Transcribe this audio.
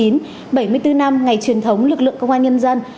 bảy mươi bốn năm ngày truyền thống lực lượng công an nhân dân